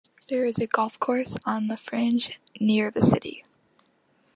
There is a golf course on the fringe near the city.